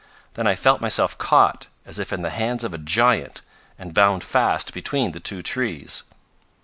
Then I felt myself caught, as if in the hands of a giant, and bound fast between the two trees."